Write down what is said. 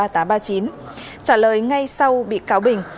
trả lời ngay sau bị cáo bình